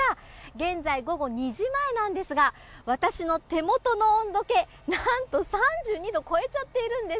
現在、午後２時前なんですが私の手元の温度計、何と３２度を超えちゃっているんです。